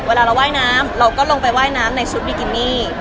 เวลาเราว่ายน้ำเราก็ลงไปว่ายน้ำในชุดบิกินี่